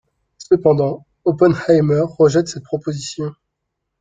Cependant, Oppenheimer rejette cette proposition.